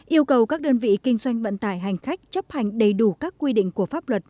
yêu cầu các đơn vị kinh doanh vận tải hành khách chấp hành đầy đủ các quy định của pháp luật